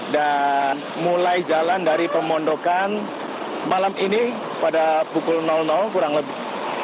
dan mulai jalan dari pemondokan malam ini pada pukul kurang lebih